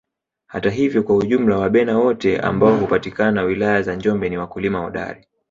Hata hivyo kwa ujumla Wabena wote ambao hupatikana wilaya za Njombe ni wakulima hodari